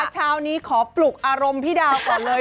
เช้านี้ขอปลุกอารมณ์พี่ดาวก่อนเลย